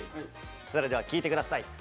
それでは聴いて下さい。